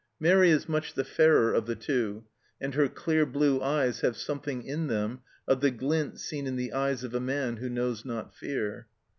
Mairi is much the fairer of the two, and her clear blue eyes have something in them of the glint seen in the eyes of a man who knows not fear.